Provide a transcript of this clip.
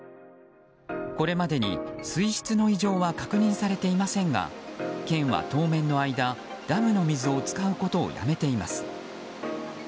これまでに水質の異常は確認されていませんが県は、当面の間ダムの水を使うことをやめています。